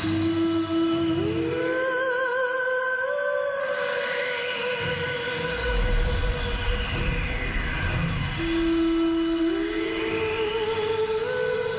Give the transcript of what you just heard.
จังหวัดสกลนครชมด้วยตาท่านเองกลางโรงพยาบาลแห่งหนึ่ง